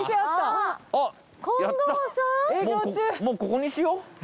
もうここにしよう。